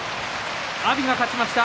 阿炎が勝ちました。